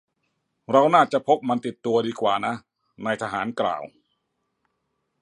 เราน่าจะพกมันติดตัวดีกว่านะ นายทหารกล่าว